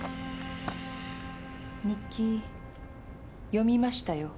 日記読みましたよ。